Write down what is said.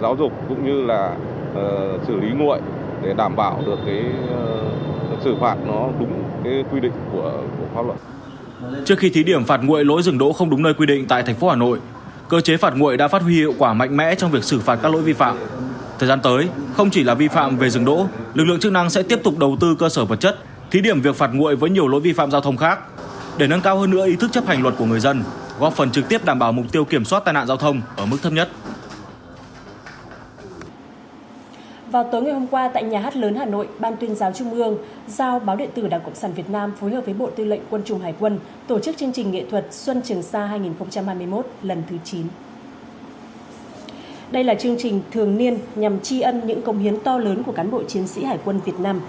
đây là chương trình thường niên nhằm chi ân những công hiến to lớn của cán bộ chiến sĩ hải quân việt nam